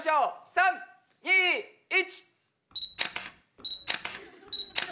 ３２１。